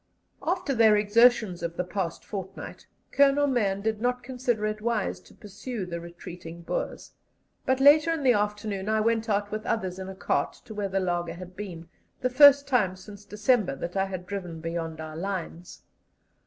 After their exertions of the past fortnight, Colonel Mahon did not consider it wise to pursue the retreating Boers; but later in the afternoon I went out with others in a cart to where the laager had been the first time since December that I had driven beyond our lines.